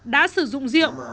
đã sử dụng diệu